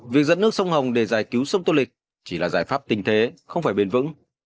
việc dẫn nước sông hồng để giải cứu sông tô lịch chỉ là giải pháp tình thế không phải bền vững